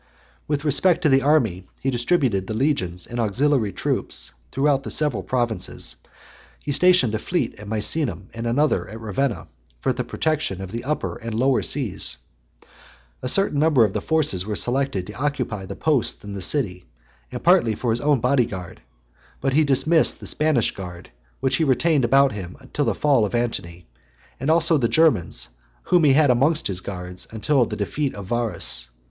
XLIX. With respect to the army, he distributed the legions and auxiliary troops throughout the several provinces, he stationed a fleet at Misenum, and another at Ravenna, for the protection of the Upper and Lower Seas . A certain number of the forces were selected, to occupy the posts in the city, and partly for his own body guard; but he dismissed the Spanish guard, which he retained about him till the fall of Antony; and also the Germans, whom he had amongst his guards, until the defeat of Varus.